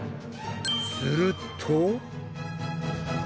すると。